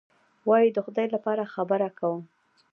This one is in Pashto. وایي: د خدای لپاره خبره کوم.